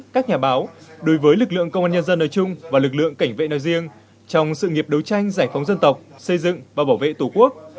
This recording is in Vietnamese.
các nhà báo đối với lực lượng công an nhân dân nơi chung và lực lượng cảnh vệ nói riêng trong sự nghiệp đấu tranh giải phóng dân tộc xây dựng và bảo vệ tổ quốc